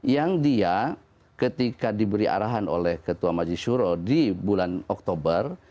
yang dia ketika diberi arahan oleh ketua majelis suro di bulan oktober